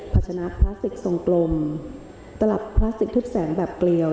ชนะพลาสติกทรงกลมตลับพลาสติกทุกแสงแบบเกลียว